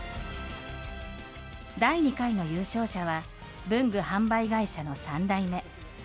第２回の優勝者は、文具販売会社の３代目。